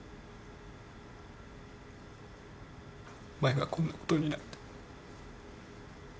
お前がこんなことになって。